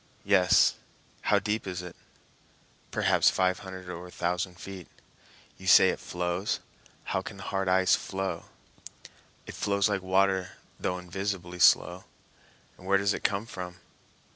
"Yes." "How deep is it?" "Perhaps five hundred or a thousand feet." "You say it flows. How can hard ice flow?" "It flows like water, though invisibly slow." "And where does it come from?"